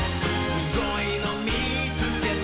「すごいのみつけた」